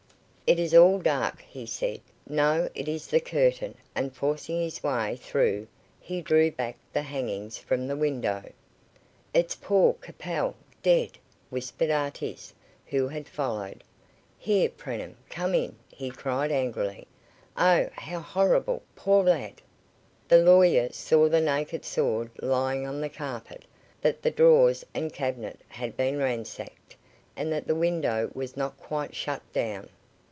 "It is all dark," he said. "No it is the curtain," and forcing his way through, he drew back the hangings from the window. "It's poor Capel dead!" whispered Artis, who had followed. "Here, Preenham, come in," he cried angrily. "Oh, how horrible poor lad!" The lawyer saw the naked sword lying on the carpet; that the drawers and cabinet had been ransacked; and that the window was not quite shut down.